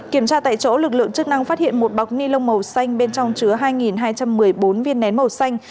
kiểm tra tại chỗ lực lượng chức năng phát hiện một bọc ni lông màu xanh bên trong chứa hai hai trăm một mươi bốn viên nén màu xanh